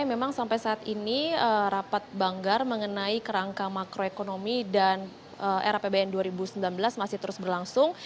memang sampai saat ini rapat banggar mengenai kerangka makroekonomi dan era pbn dua ribu sembilan belas masih terus berlangsung